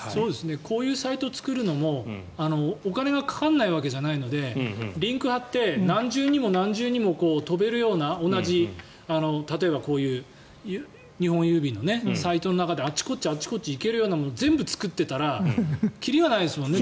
こういうサイトを作るのもお金がかからないわけじゃないのでリンクを貼って何重にも何重にも飛べるような同じ例えば、こういう日本郵便のサイトの中であっちこっち行けるようなもの全部作っていたら切りがないですもんね